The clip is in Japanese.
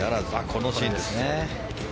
このシーンですね。